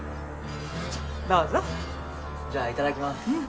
どうぞじゃあいただきます